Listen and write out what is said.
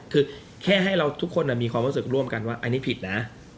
คือแค่ให้เราทุกคนมีความรู้สึกร่วมกันว่าอันนี้ผิดนะ